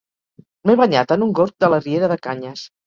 M'he banyat en un gorg de la riera de Canyes